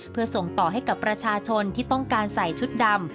เพื่อส่งต่อให้กับประชาชนที่ต้องการใส่ชุดดำ